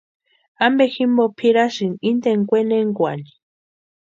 ¿Ampe jimpo pʼirasïni inteni kwenekwani?